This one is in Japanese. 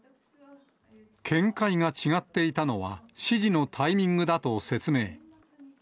見解が違っていたのは、指示のタイミングだと説明。